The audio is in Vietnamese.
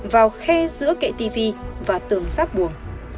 vào khe giữa kệ tv và tường sát buồng